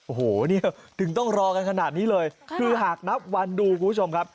โอ้โหเนี่ยถึงต้องรอกันขนาดนี้เลยคือหากนับวันดูคุณผู้ชมครับ